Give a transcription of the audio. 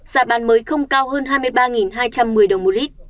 giá bán mới không cao hơn hai mươi ba đồng